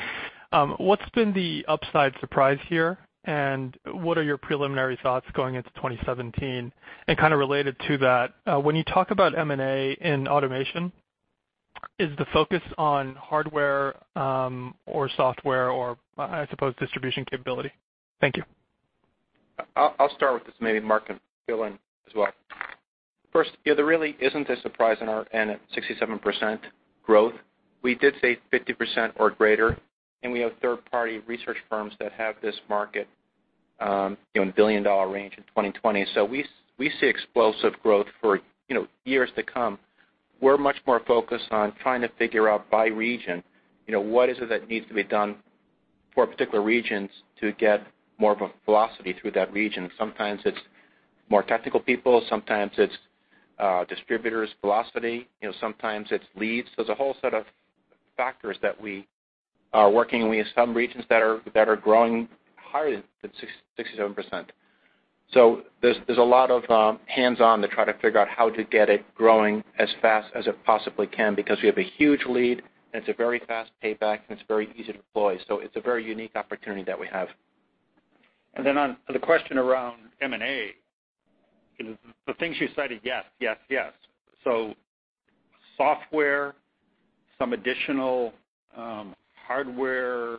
What's been the upside surprise here, and what are your preliminary thoughts going into 2017? Kind of related to that, when you talk about M&A in automation, is the focus on hardware or software or I suppose distribution capability? Thank you. I'll start with this, maybe Mark can fill in as well. First, there really isn't a surprise in our end at 67% growth. We did say 50% or greater, and we have third-party research firms that have this market In the billion-dollar range in 2020. We see explosive growth for years to come. We're much more focused on trying to figure out by region, what is it that needs to be done for particular regions to get more of a velocity through that region. Sometimes it's more technical people, sometimes it's distributors' velocity, sometimes it's leads. There's a whole set of factors that we are working. We have some regions that are growing higher than 67%. There's a lot of hands-on to try to figure out how to get it growing as fast as it possibly can, because we have a huge lead, and it's a very fast payback, and it's very easy to deploy. It's a very unique opportunity that we have. On to the question around M&A. The things you cited, yes. Software, some additional hardware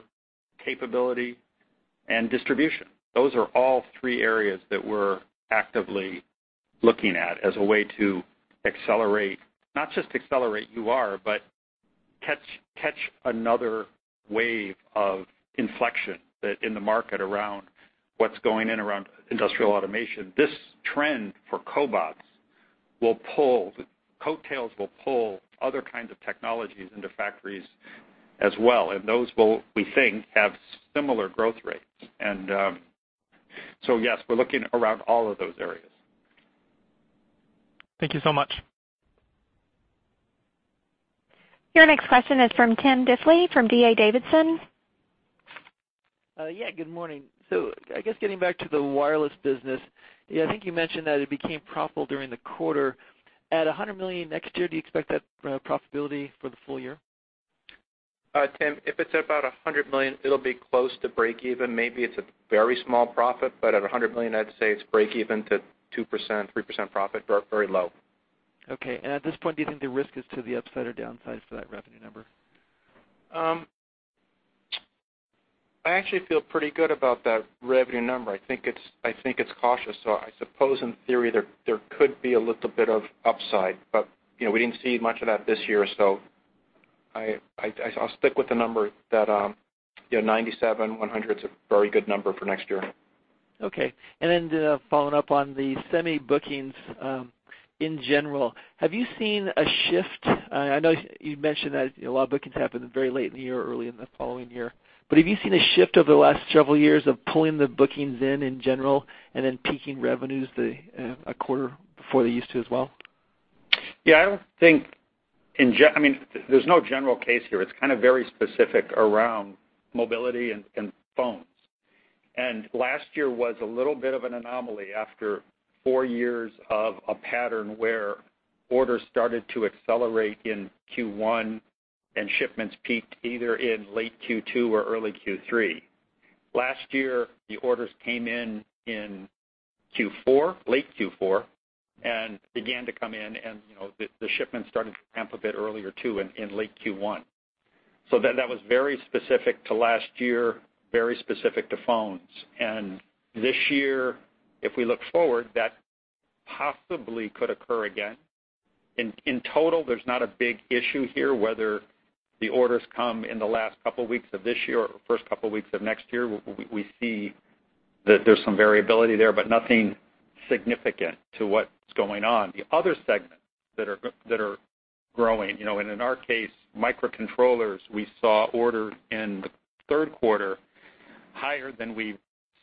capability, and distribution. Those are all three areas that we're actively looking at as a way to accelerate, not just accelerate UR, but catch another wave of inflection in the market around what's going in around industrial automation. This trend for cobots will pull, coattails will pull other kinds of technologies into factories as well. Those will, we think, have similar growth rates. Yes, we're looking around all of those areas. Thank you so much. Your next question is from Tom Diffely from D.A. Davidson. Yeah, good morning. I guess getting back to the wireless business, I think you mentioned that it became profitable during the quarter. At $100 million next year, do you expect that profitability for the full year? Tom, if it's about $100 million, it'll be close to breakeven. Maybe it's a very small profit. At $100 million, I'd say it's breakeven to 2%, 3% profit, very low. Okay. At this point, do you think the risk is to the upside or downside for that revenue number? I actually feel pretty good about that revenue number. I think it's cautious. I suppose in theory, there could be a little bit of upside. We didn't see much of that this year, so I'll stick with the number that 97, 100's a very good number for next year. Okay. Following up on the semi bookings, in general, have you seen a shift? I know you mentioned that a lot of bookings happen very late in the year, early in the following year. Have you seen a shift over the last several years of pulling the bookings in in general and then peaking revenues a quarter before they used to as well? Yeah, I would think there's no general case here. It's kind of very specific around mobility and phones. Last year was a little bit of an anomaly after four years of a pattern where orders started to accelerate in Q1 and shipments peaked either in late Q2 or early Q3. Last year, the orders came in in Q4, late Q4, and began to come in and the shipments started to ramp a bit earlier, too, in late Q1. That was very specific to last year, very specific to phones. This year, if we look forward, that possibly could occur again. In total, there's not a big issue here whether the orders come in the last couple weeks of this year or first couple weeks of next year. We see that there's some variability there, nothing significant to what's going on. The other segments that are growing, and in our case, microcontrollers, we saw orders in the third quarter higher than we've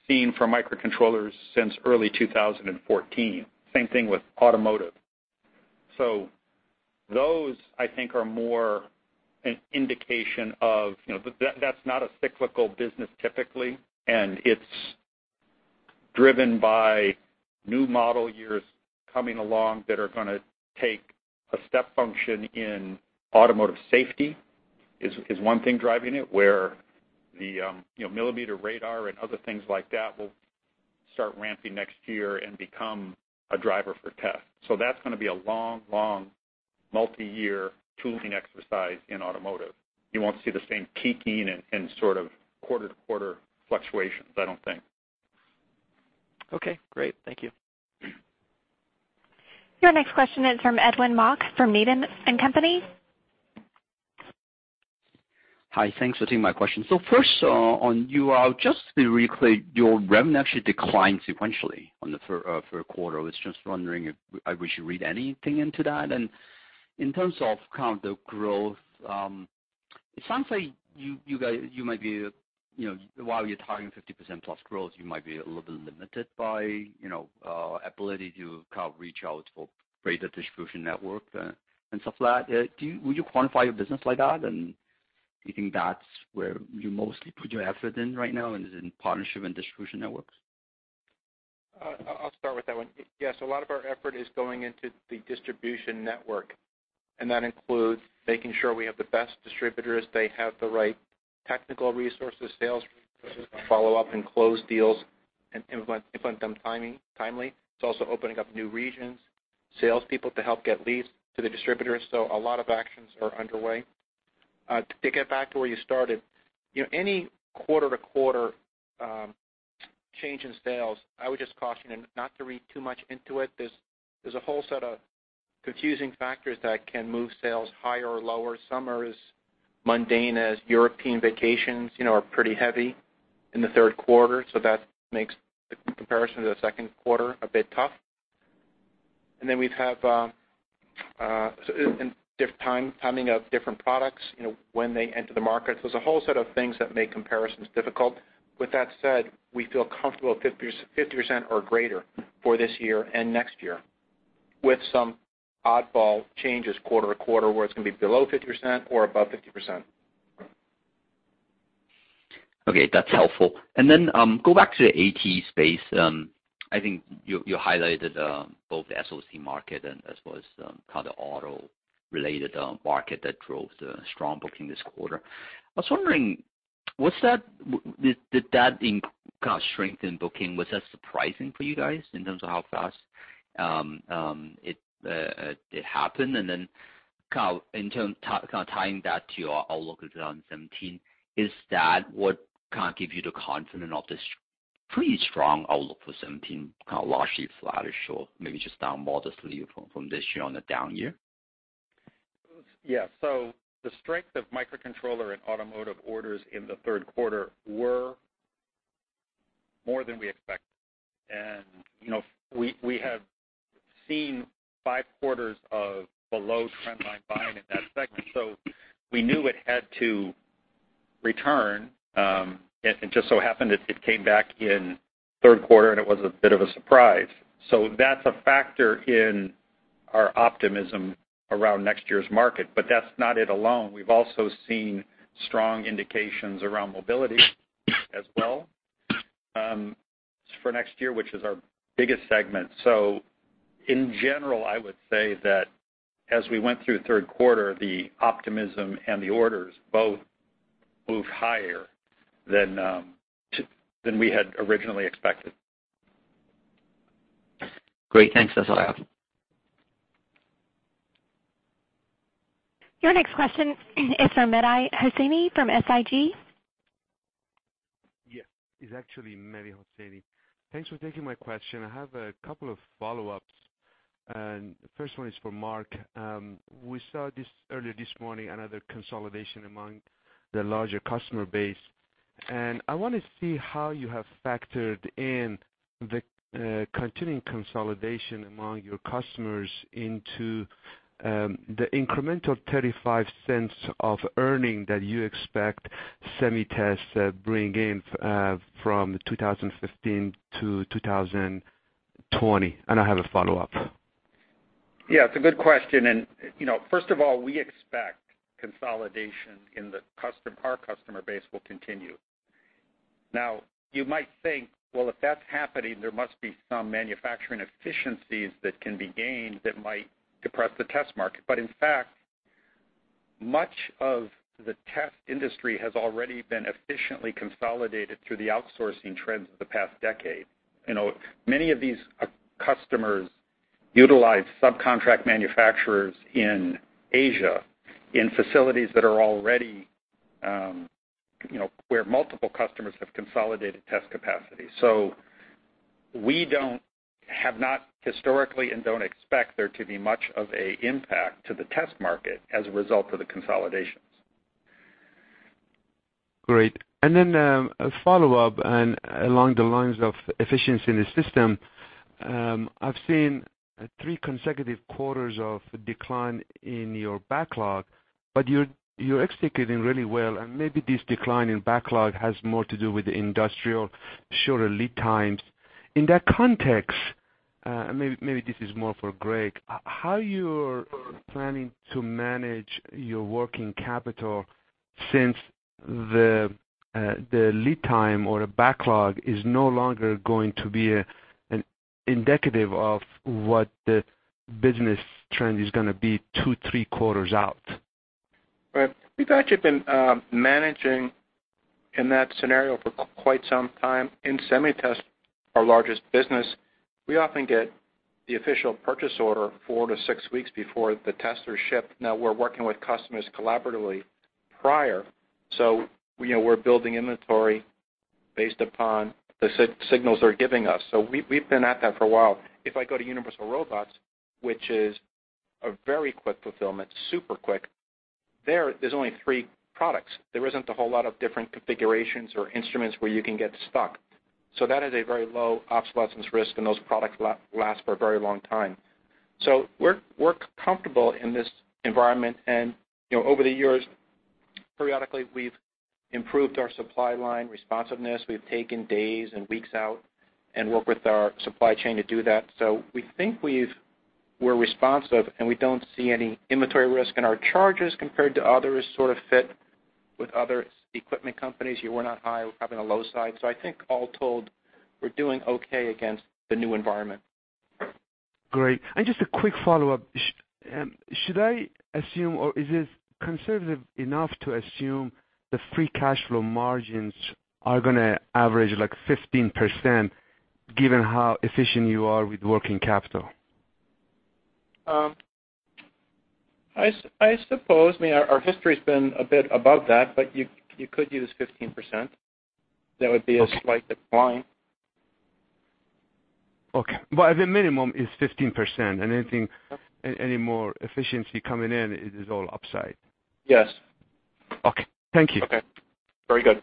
seen for microcontrollers since early 2014. Same thing with automotive. Those, I think, are more an indication of that's not a cyclical business, typically, and it's driven by new model years coming along that are going to take a step function in automotive safety, is one thing driving it, where the millimeter radar and other things like that will start ramping next year and become a driver for test. That's going to be a long, long multi-year tooling exercise in automotive. You won't see the same peaking and sort of quarter-to-quarter fluctuations, I don't think. Okay, great. Thank you. Your next question is from Edwin Mok from Needham & Company. Hi, thanks for taking my question. First, on UR, just to be really clear, your revenue actually declined sequentially on the third quarter. I was just wondering if we should read anything into that. In terms of kind of the growth, it sounds like you might be, while you're targeting 50% plus growth, you might be a little bit limited by ability to kind of reach out for greater distribution network and stuff like that. Would you quantify your business like that? Do you think that's where you mostly put your effort in right now, is in partnership and distribution networks? I'll start with that one. Yes, a lot of our effort is going into the distribution network, and that includes making sure we have the best distributors, they have the right technical resources, sales resources to follow up and close deals and implement them timely. It's also opening up new regions, salespeople to help get leads to the distributors. A lot of actions are underway. To get back to where you started, any quarter-to-quarter change in sales, I would just caution not to read too much into it. Confusing factors that can move sales higher or lower. Some are as mundane as European vacations, are pretty heavy in the third quarter. That makes the comparison to the second quarter a bit tough. We have timing of different products, when they enter the market. There's a whole set of things that make comparisons difficult. With that said, we feel comfortable with 50% or greater for this year and next year, with some oddball changes quarter to quarter, where it's going to be below 50% or above 50%. Okay, that's helpful. Go back to the ATE space. I think you highlighted both the SoC market and as well as kind of the auto-related market that drove the strong booking this quarter. I was wondering, did that strength in booking, was that surprising for you guys in terms of how fast it happened? Tying that to your outlook on 2017, is that what kind of give you the confidence of this pretty strong outlook for 2017, kind of largely flat or short, maybe just down modestly from this year on the down year? Yeah. The strength of microcontroller and automotive orders in the third quarter were more than we expected. We have seen 5 quarters of below trendline buying in that segment. We knew it had to return, it just so happened that it came back in the third quarter, and it was a bit of a surprise. That's a factor in our optimism around next year's market. That's not it alone. We've also seen strong indications around mobility as well for next year, which is our biggest segment. In general, I would say that as we went through the third quarter, the optimism and the orders both moved higher than we had originally expected. Great. Thanks. That's all I have. Your next question is from Mehdi Hosseini from SIG. Yes. It's actually Mehdi Hosseini. Thanks for taking my question. I have a couple of follow-ups. The first one is for Mark. We saw this earlier this morning, another consolidation among the larger customer base. I want to see how you have factored in the continuing consolidation among your customers into the incremental $0.35 of earning that you expect SemiTest to bring in from 2015-2020. I have a follow-up. Yeah, it's a good question. First of all, we expect consolidation in our customer base will continue. Now, you might think, well, if that's happening, there must be some manufacturing efficiencies that can be gained that might depress the test market. In fact, much of the test industry has already been efficiently consolidated through the outsourcing trends of the past decade. Many of these customers utilize subcontract manufacturers in Asia in facilities where multiple customers have consolidated test capacity. We have not historically and don't expect there to be much of a impact to the test market as a result of the consolidations. Great. A follow-up, and along the lines of efficiency in the system, I've seen three consecutive quarters of decline in your backlog, but you're executing really well, and maybe this decline in backlog has more to do with the industrial shorter lead times. In that context, maybe this is more for Greg, how you're planning to manage your working capital since the lead time or the backlog is no longer going to be indicative of what the business trend is going to be two, three quarters out? Right. We've actually been managing in that scenario for quite some time. In SemiTest, our largest business, we often get the official purchase order 4 to 6 weeks before the tests are shipped. We're working with customers collaboratively prior, so we're building inventory based upon the signals they're giving us. We've been at that for a while. If I go to Universal Robots, which is a very quick fulfillment, super quick, there's only three products. There isn't a whole lot of different configurations or instruments where you can get stuck. That is a very low obsolescence risk, and those products last for a very long time. We're comfortable in this environment, and over the years, periodically, we've improved our supply line responsiveness. We've taken days and weeks out and worked with our supply chain to do that. We think we're responsive, and we don't see any inventory risk, and our charges compared to others sort of fit with other equipment companies. We're not high. We're kind of on the low side. I think all told, we're doing okay against the new environment. Great. Just a quick follow-up. Should I assume, or is it conservative enough to assume the free cash flow margins are going to average, like, 15%, given how efficient you are with working capital? I suppose. Our history has been a bit above that, but you could use 15%. That would be a slight decline. Okay. The minimum is 15%, and anything- Yep any more efficiency coming in, it is all upside. Yes. Okay, thank you. Okay. Very good.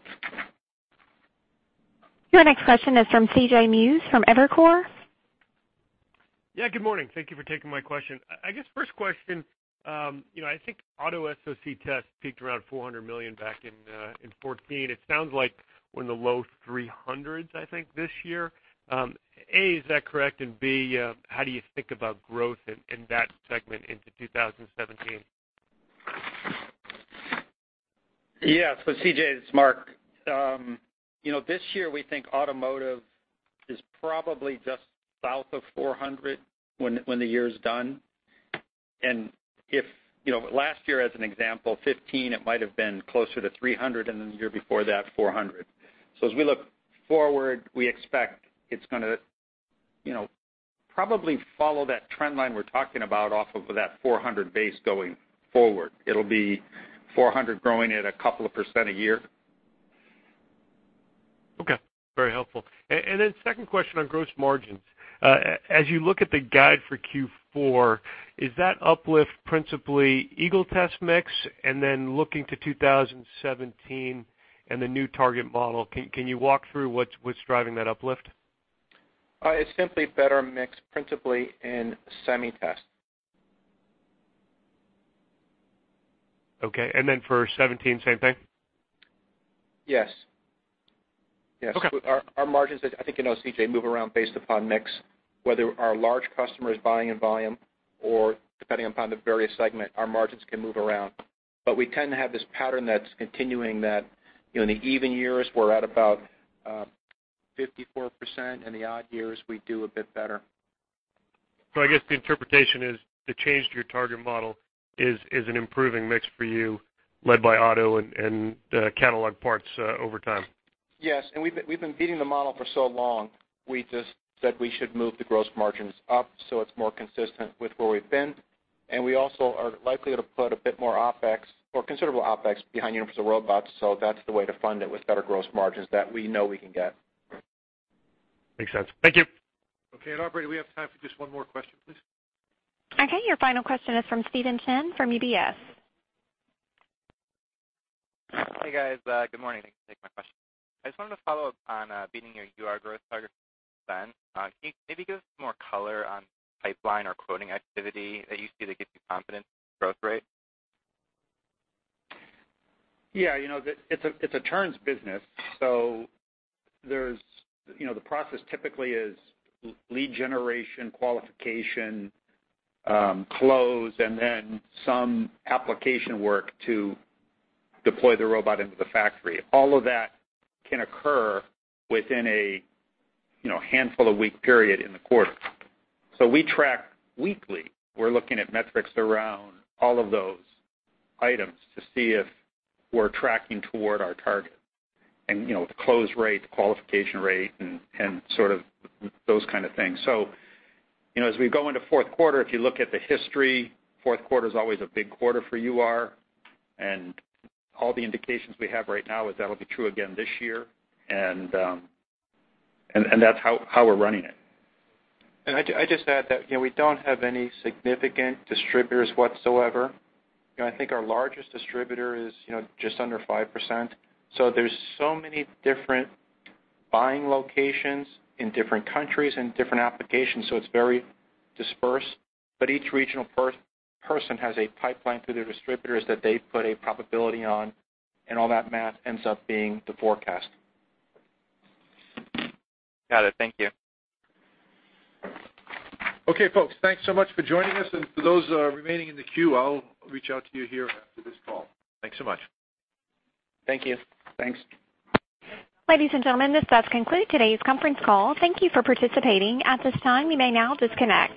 Your next question is from C.J. Muse from Evercore. Yeah, good morning. Thank you for taking my question. I guess first question, I think auto SOC test peaked around $400 million back in 2014. It sounds like we're in the low 300s, I think, this year. A, is that correct, and B, how do you think about growth in that segment into 2017? Yes. C.J., it's Mark. This year we think automotive is probably just south of $400 million when the year's done. Last year as an example, 2015, it might've been closer to $300 million, the year before that, $400 million. As we look forward, we expect it's going to probably follow that trend line we're talking about off of that $400 million base going forward. It'll be $400 million growing at a couple of % a year. Okay. Very helpful. Second question on gross margins. As you look at the guide for Q4, is that uplift principally Eagle Test mix? Looking to 2017 and the new target model, can you walk through what's driving that uplift? It is simply better mix, principally in semi test. Okay. Then for 2017, same thing? Yes. Okay. Our margins, I think you know, C.J., move around based upon mix, whether our large customer is buying in volume or depending upon the various segment, our margins can move around. We tend to have this pattern that is continuing that in the even years, we are at about 54%, in the odd years, we do a bit better. I guess the interpretation is the change to your target model is an improving mix for you led by auto and the catalog parts over time. Yes. We've been beating the model for so long, we just said we should move the gross margins up so it's more consistent with where we've been, we also are likely to put a bit more OpEx or considerable OpEx behind Universal Robots, that's the way to fund it with better gross margins that we know we can get. Makes sense. Thank you. Okay. Operator, we have time for just one more question, please. Okay, your final question is from Stephen Chin from UBS. Hey, guys. Good morning. Thanks for taking my question. I just wanted to follow up on beating your UR growth targets then. Can you maybe give us more color on pipeline or quoting activity that you see that gives you confidence in the growth rate? Yeah. It's a turns business, so the process typically is lead generation, qualification, close, and then some application work to deploy the robot into the factory. All of that can occur within a handful of week period in the quarter. We track weekly. We're looking at metrics around all of those items to see if we're tracking toward our target, and the close rate, the qualification rate, and sort of those kind of things. As we go into fourth quarter, if you look at the history, fourth quarter's always a big quarter for UR, and all the indications we have right now is that'll be true again this year, and that's how we're running it. I'd just add that we don't have any significant distributors whatsoever. I think our largest distributor is just under 5%. There's so many different buying locations in different countries and different applications, so it's very dispersed. Each regional person has a pipeline through their distributors that they put a probability on, and all that math ends up being the forecast. Got it. Thank you. Okay, folks. Thanks so much for joining us, and for those remaining in the queue, I'll reach out to you here after this call. Thanks so much. Thank you. Thanks. Ladies and gentlemen, this does conclude today's conference call. Thank you for participating. At this time, you may now disconnect.